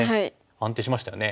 安定しましたよね。